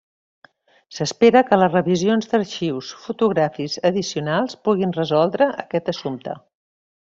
S'espera que les revisions d'arxius fotogràfics addicionals puguin resoldre aquest assumpte.